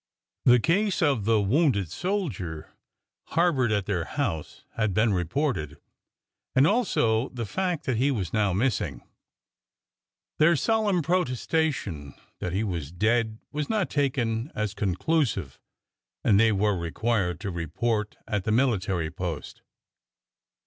The case of the wounded soldier harbored at their house had been reported, and also the fact that he was now miss ing. Their solemn protestation that he was dead was not taken as conclusive, and they were required to report at the military post.